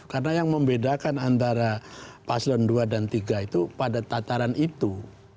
karena yang membedakan antara pazlon dua dan tiga itu pada tataran itu